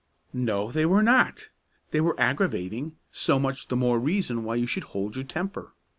"No, they were not. They were aggravating; so much the more reason why you should hold your temper.